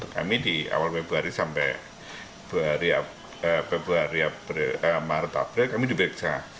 kami di awal februari sampai februari maret april kami diperiksa